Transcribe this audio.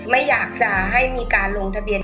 ไม่อยากจะให้มีการลงทะเบียน